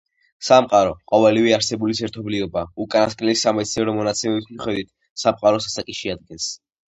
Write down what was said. სამყარო — ყოველივე არსებულის ერთობლიობა. უკანასკნელი სამეცნიერო მონაცემების მიხედვით სამყაროს ასაკი შეადგენს